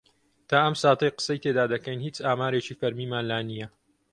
تا ئەم ساتەی قسەی تێدا دەکەین هیچ ئامارێکی فەرمیمان لا نییە.